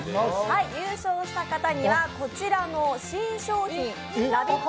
優勝した方にはこちらの新商品ＬＯＶＥＩＴ！